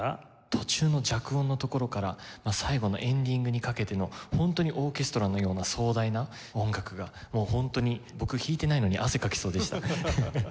途中の弱音のところから最後のエンディングにかけての本当にオーケストラのような壮大な音楽がもう本当に僕弾いてないのに汗かきそうでした。